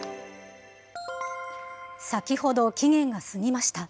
先ほど期限が過ぎました。